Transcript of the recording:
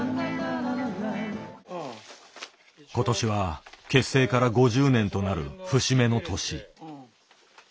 今年は結成から５０年となる節目の年。